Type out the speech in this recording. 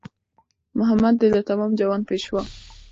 محمد دی د تمام جهان پېشوا